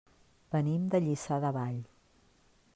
Venim de Lliçà de Vall.